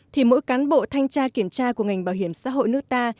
thì mỗi cán bộ thanh tra kiểm tra của ngành bảo hiểm xã hội nước ta